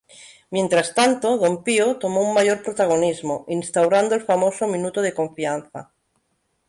Mientras tanto, Don Pío tomó un mayor protagonismo, instaurando el famoso ""Minuto de confianza"".